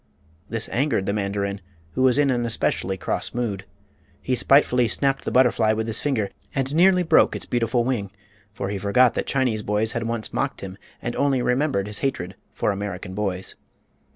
This angered the mandarin, who was in an especially cross mood. He spitefully snapped the butterfly with his finger, and nearly broke its beautiful wing; for he forgot that Chinese boys had once mocked him and only remembered his hatred for American boys.